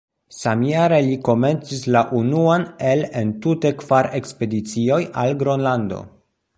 Samjare li komencis la unuan el entute kvar ekspedicioj al Gronlando.